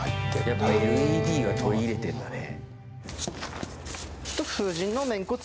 やっぱＬＥＤは取り入れてんだね。